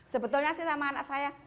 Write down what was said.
sebetulnya sih sama anak saya